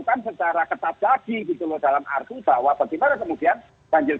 karena isu isu kenyaman tadi